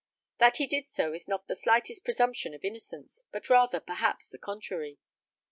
That he did do so is not the slightest presumption of innocence, but rather, perhaps, the contrary.